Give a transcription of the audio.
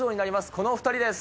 このお２人です。